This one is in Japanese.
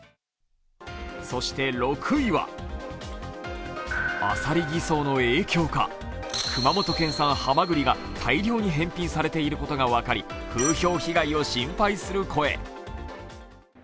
そして６位は、アサリ偽装の影響か熊本県産ハマグリが大量に返品されていることが分かり風評被害を心配する声。